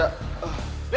ya tajuk ya